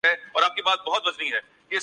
internet پر تلاش کر لو